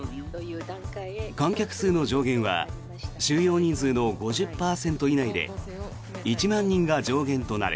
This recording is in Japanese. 観客数の上限は収容人数の５０％以内で１万人が上限となる。